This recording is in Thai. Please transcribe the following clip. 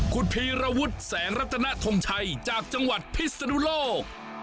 คุณพีรวุฒิแสงรักษณะธรรมชัยจากจังหวัดพิษฎุโลก